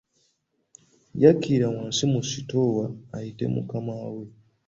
Yakirira wansi mu sitoowa ayite mukama we.